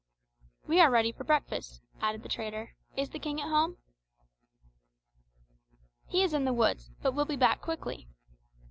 "We are ready for breakfast," added the trader. "Is the king at home?" "He is in the woods, but will be back quickly."